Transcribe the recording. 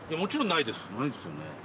ないですよね。